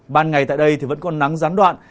ban ngày tại đây thì vẫn có nắng rán đoạn